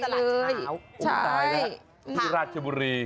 มีโอกาสที่ไปเลย